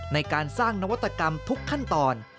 ในการสร้างนวัตกรรมทุกขั้นตอน